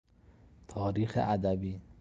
تاریخ ادبی